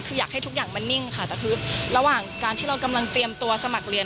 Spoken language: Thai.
คืออยากให้ทุกอย่างมันนิ่งค่ะแต่คือระหว่างการที่เรากำลังเตรียมตัวสมัครเรียน